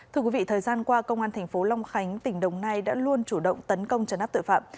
thưa quý vị thời gian qua công an thành phố long khánh tỉnh đồng nai đã luôn chủ động tấn công trấn áp tội phạm